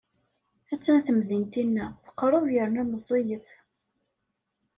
A-tt-an temdint-inna, teqreb yerna meẓẓiyet.